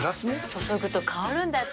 注ぐと香るんだって。